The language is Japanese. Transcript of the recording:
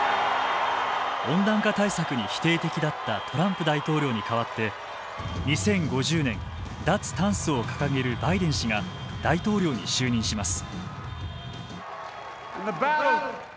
温暖化対策に否定的だったトランプ大統領に代わって２０５０年脱炭素を掲げるバイデン氏が大統領に就任します。